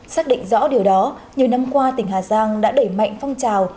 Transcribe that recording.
xác định rõ điều đó nhiều năm qua tỉnh hà giang đã đẩy mạnh phong trào